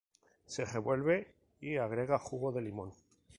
Se revuelve y agrega jugo de limón.